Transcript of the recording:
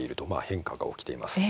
変化が起きています。